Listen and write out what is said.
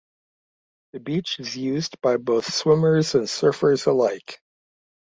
The beach is used by both swimmers and surfers alike.